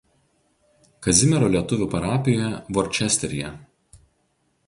Kazimiero lietuvių parapijoje Worcesteryje.